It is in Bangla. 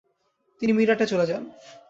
তিনি মিরাটে চলে যান।